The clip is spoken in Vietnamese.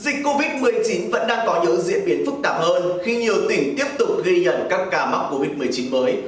dịch covid một mươi chín vẫn đang có những diễn biến phức tạp hơn khi nhiều tỉnh tiếp tục ghi nhận các ca mắc covid một mươi chín mới